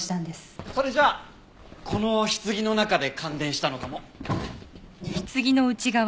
それじゃこの棺の中で感電したのかも。